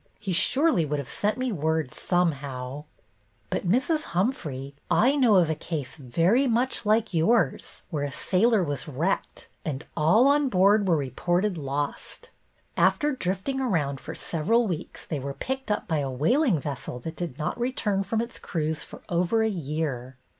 He surely would have sent me word some how." " But, Mrs. Humphrey, I know of a case very much like yours, where a sailor was wrecked and all on board were reported lost. After drifting around for several weeks, they were picked up by a whaling vessel that did not return from its cruise for over a year.